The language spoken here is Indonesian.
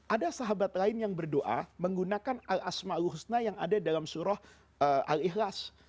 ada sahabat lain yang berdoa menggunakan al ⁇ asmaul ⁇ husna yang ada dalam surah al ikhlas